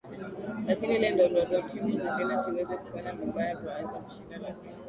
lakini ile ndo ndo ndo timu zingine siweze kufanya vibaya waweze kushinda lakini